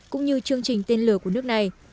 cũng như chương trình tên lửa của nước này